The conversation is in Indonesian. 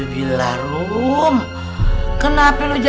bila perlu ma